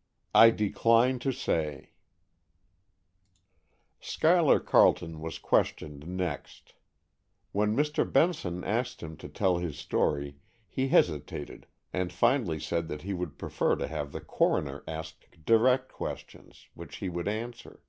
XI "I DECLINE TO SAY" Schuyler Carleton was questioned next When Mr. Benson asked him to tell his story, he hesitated and finally said that he would prefer to have the coroner ask direct questions, which he would answer.